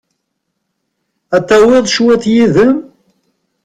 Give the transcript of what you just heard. Ad tawiḍ cwiṭ yid-m?